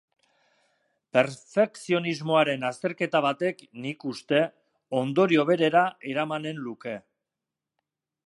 Perfekzionismoaren azterketa batek, nik uste, ondorio berera eramanen luke.